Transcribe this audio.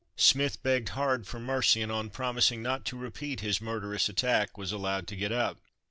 Smith begged hard for mercy, and on promising not to repeat his murderous attack, was allowed to get up.